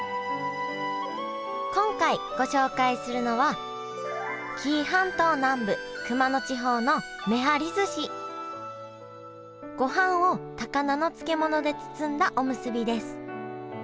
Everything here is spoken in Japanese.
今回ご紹介するのは紀伊半島南部ごはんを高菜の漬物で包んだおむすびです。